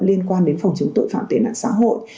liên quan đến phòng chống tội phạm tệ nạn xã hội